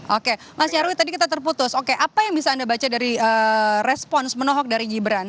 oke mas nyarwi tadi kita terputus oke apa yang bisa anda baca dari respons menohok dari gibran